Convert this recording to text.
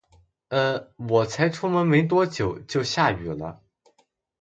呃，我才出门没多久，就下雨了